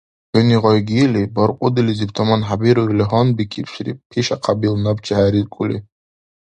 — ХӀуни гъай гили, баркьудилизиб таманхӀебиру или гьанбикибсири, — пишяхъиб ил, набчи хӀерикӀули.